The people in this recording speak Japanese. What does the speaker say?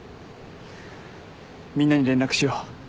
みんなに連絡しよう。